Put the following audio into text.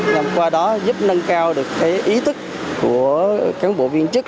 nhằm qua đó giúp nâng cao được ý thức của cán bộ viên chức